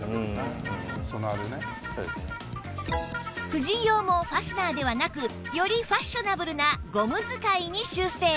婦人用もファスナーではなくよりファッショナブルなゴム使いに修正